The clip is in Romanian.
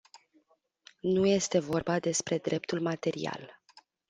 Nu este vorba despre dreptul material.